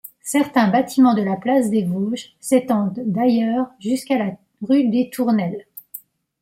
Certains bâtiments de la place des Vosges s’étendent d’ailleurs jusqu’à la rue des Tournelles.